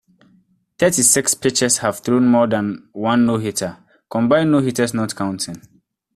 Thirty-six pitchers have thrown more than one no-hitter, combined no-hitters not counting.